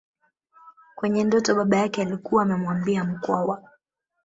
Kwenye ndoto baba yake alikuwa amemwambia Mkwawa